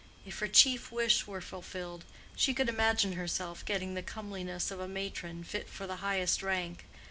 If her chief wish were fulfilled, she could imagine herself getting the comeliness of a matron fit for the highest rank.